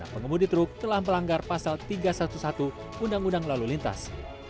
pengemudi truk telah melanggar pasal tiga ratus sebelas undang undang lalu lintas